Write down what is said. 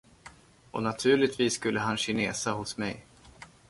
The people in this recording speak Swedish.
Och naturligtvis skulle han kinesa hos mig.